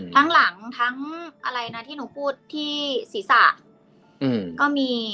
ทั้งหลังทั้งอะไรนะที่หนูพูดที่ศีรษะก็มี